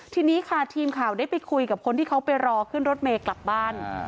ทีนี้ค่ะทีมข่าวได้ไปคุยกับคนที่เขาไปรอขึ้นรถเมย์กลับบ้าน